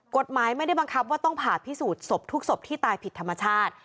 กฎหมายไม่ได้บังคับว่าต้องผ่าพิสูจน์ศพทุกศพที่ตายผิดธรรมชาติ